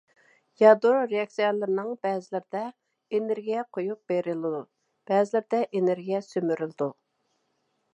يادرو رېئاكسىيەلىرىنىڭ بەزىلىرىدە ئېنېرگىيە قويۇپ بېرىلىدۇ، بەزىلىرىدە ئېنېرگىيە سۈمۈرۈلىدۇ.